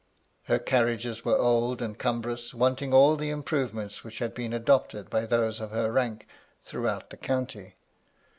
Her carriages were old and cum brous, wanting all the improvements which had been adopted by those of her rank throughout the county.